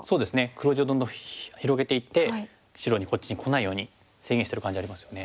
黒地をどんどん広げていって白にこっちにこないように制限してる感じありますよね。